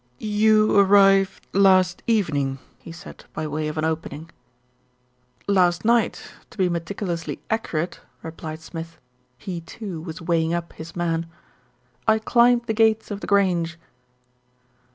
"You arrived last evening," he said by way of an opening. 66 THE RETURN OF ALFRED "Last night, to be meticulously accurate," replied Smith. He, too, was weighing up his man. "I climbed the gates of The Grange."